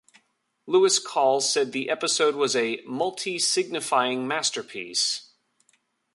Lewis Call said the episode was a "multi-signifying masterpiece".